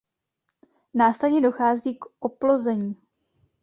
Následně dochází k oplození.